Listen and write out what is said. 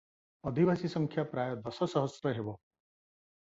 ଅଧିବାସୀସଂଖ୍ୟା ପ୍ରାୟ ଦଶ ସହସ୍ର ହେବ ।